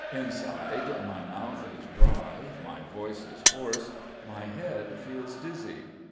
Inside my mouth is dry, my voice is hoarse, my head feels dizzy.